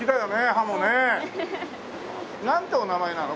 ハモね。なんてお名前なの？